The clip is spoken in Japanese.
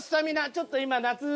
ちょっと今夏。